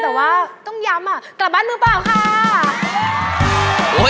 แต่ว่าต้องย้ำกลับบ้านมือเปล่าค่ะ